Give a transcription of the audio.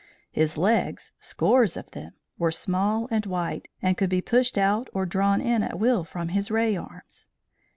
His legs, scores of them, were small and white, and could be pushed out or drawn in at will from his ray arms.